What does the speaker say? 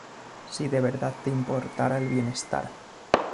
Si de verdad te importa el bienestar